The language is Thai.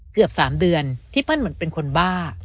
เกือบ๓เดือนที่เปิ้ลเหมือนเป็นคนบ้า